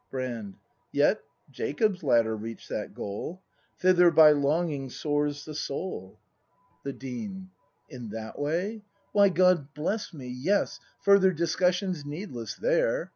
Brand. Yet, Jacob's ladder reach 'd that goal. Thither by longing soars the Soul. 242 BRAND [act v The Dean. In that way! Why, God bless me, yes Further discussion's needless there.